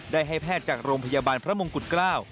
ให้แพทย์จากโรงพยาบาลพระมงกุฎเกล้า